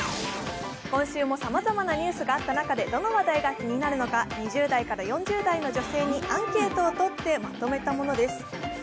今週もさまざまなニュースがあった中でどの話題が気になるのか２０代から４０代の女性にアンケートを取ってまとめたものです。